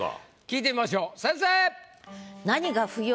聞いてみましょう。